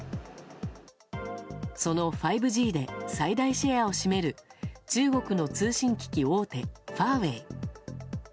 その５Ｇで最大シェアを占める中国の通信機器大手ファーウェイ。